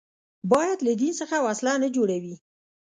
باید له دین څخه وسله نه جوړوي